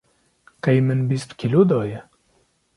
qey min bîst kîlo daye.